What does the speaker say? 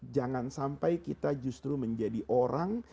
jangan sampai kita justru menjadi orang